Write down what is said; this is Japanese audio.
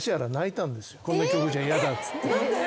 「こんな曲じゃ嫌だ」っつって。